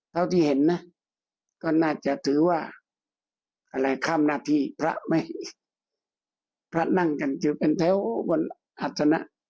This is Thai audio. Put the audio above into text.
เท่าที่เห็นน่าจะถือว่าคนอะไรข้ามนาที่พระพระนั่งทั้งกันจะเป็นเท่าอาสณะ